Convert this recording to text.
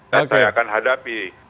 dan saya akan hadapi